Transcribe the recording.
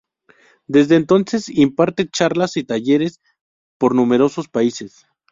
Desde entonces imparte charlas y talleres por numerosos países.